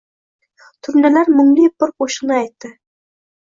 Turnalar mungli bir qo’shiqni aytdi